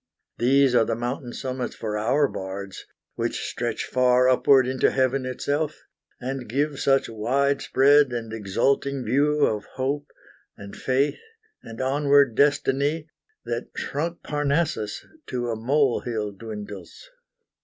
These are the mountain summits for our bards, Which stretch far upward into heaven itself, And give such wide spread and exulting view Of hope, and faith, and onward destiny, That shrunk Parnassus to a molehill dwindles.